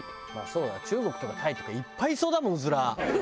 そうだ中国とかタイとかいっぱいいそうだもんうずら。